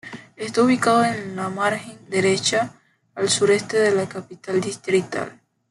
Está ubicado en la margen derecha, al sureste de la capital distrital.